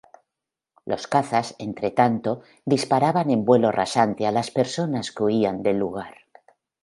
Los cazas, entretanto, disparaban en vuelo rasante a las personas que huían del lugar.